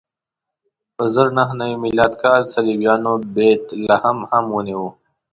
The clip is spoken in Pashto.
په زر نهه نوې میلادي کال صلیبیانو بیت لحم هم ونیو.